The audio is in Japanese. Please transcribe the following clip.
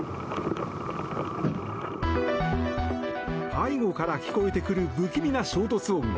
背後から聞こえてくる不気味な衝突音。